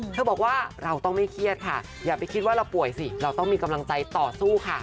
บอกว่าเราต้องไม่เครียดค่ะอย่าไปคิดว่าเราป่วยสิเราต้องมีกำลังใจต่อสู้ค่ะ